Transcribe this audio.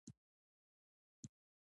پوهه د انسان د ځان پېژندنې بهیر پیاوړی کوي.